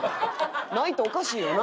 ないとおかしいよな。